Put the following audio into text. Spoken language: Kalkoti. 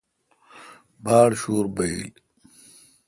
باڑ شور بایل۔